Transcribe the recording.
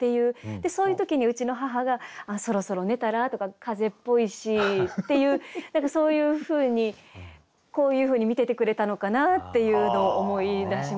そういう時にうちの母が「そろそろ寝たら？」とか「風邪っぽいし」っていう何かそういうふうにこういうふうに見ててくれたのかなっていうのを思い出しました。